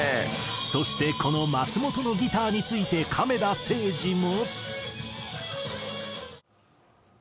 そしてこの松本のギターについて亀田誠治も。